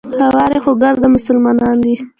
هورې خو ګرده مسلمانان دي.